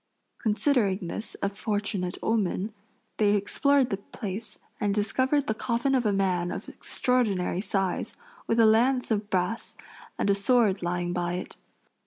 Considering this a fortunate omen, they explored the place and discovered the coffin of a man of extraordinary size, with a lance of brass and a sword lying by it.